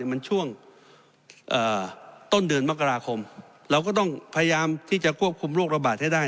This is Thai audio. มันช่วงต้นเดือนมกราคมเราก็ต้องพยายามที่จะควบคุมโรคระบาดให้ได้